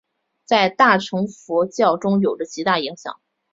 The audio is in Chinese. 在大乘佛教中有着极大影响。